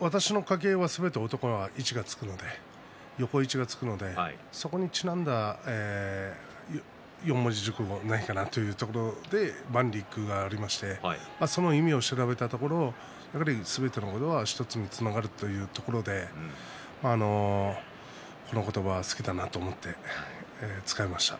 私の家系は男にはすべて、一がつくのでそこにちなんだ４文字熟語はないかなというところで万里一空がありましてその意味を調べたところやはりすべてのものは１つにつながるというところでこの言葉が好きだなと思って使いました。